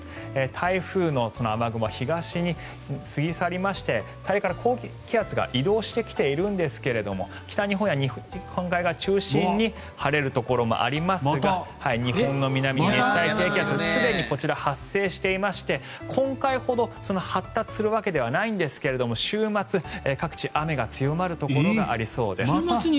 台風の雨雲、東に過ぎ去りまして大陸から高気圧が移動してきているんですが北日本や日本海側中心に晴れるところもありまして日本の南に熱帯低気圧すでに発生していまして今回ほど発達するわけではないんですが週末、各地、雨が強まるところがありそうです。